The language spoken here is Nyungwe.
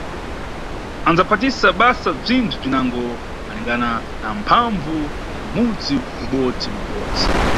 Andzaphatisa basa bzinthu bzinango malingana na mphambvu ya mudzi ubodzi na ubodzi.